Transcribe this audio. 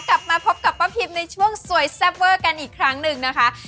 กลับมาพบกับป้าพิมในช่วงสวยแซ่บเวอร์กันอีกครั้งหนึ่งนะคะ